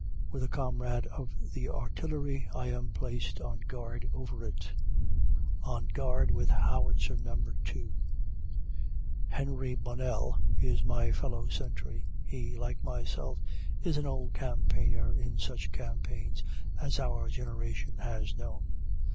With a comrade of the Artillery, I am placed on guard over it. ON GUARD WITH HOWITZER NO. TWO HENRY BONNELL is my fellow sentry. He, like myself, is an old campaigner in such campaigns as our generation has known.